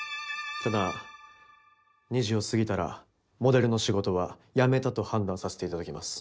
ただ２時を過ぎたらモデルの仕事は辞めたと判断させていただきます